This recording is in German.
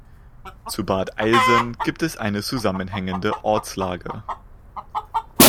Zu Bad Eilsen gibt es eine zusammenhängende Ortslage.